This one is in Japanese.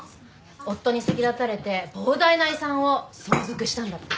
夫に先立たれて膨大な遺産を相続したんだって。